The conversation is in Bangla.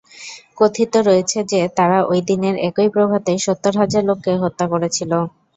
কথিত রয়েছে যে, তারা ঐ দিনের একই প্রভাতে সত্তর হাজার লোককে হত্যা করেছিল।